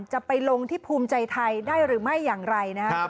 จะไปลงที่ภูมิใจไทยได้หรือไม่อย่างไรนะครับ